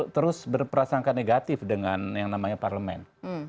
terus berprasangka negatif dengan yang namanya parlemen